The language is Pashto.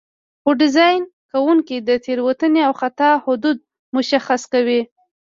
خو ډیزاین کوونکي د تېروتنې او خطا حدود مشخص کوي.